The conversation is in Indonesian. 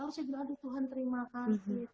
lalu saya bilang aduh tuhan terima kasih